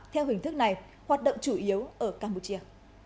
theo hình thức này hoạt động chủ yếu ở campuchia